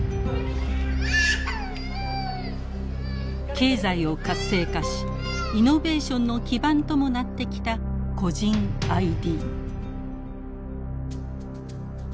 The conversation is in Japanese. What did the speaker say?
経済を活性化しイノベーションの基盤ともなってきた個人ＩＤ。